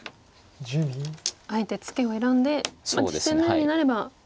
あえてツケを選んで実戦のようになれば。